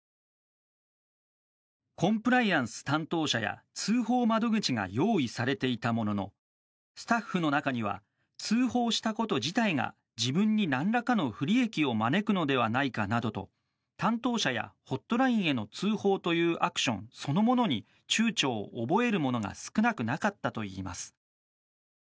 コンプライアンス担当者や通報窓口が用意されていたもののスタッフの中には通報したこと自体が自分に何らかの不利益を招くのではないかなどと担当者やホットラインへの通報というアクションそのものに躊躇を覚える者が少なくなかったといいます。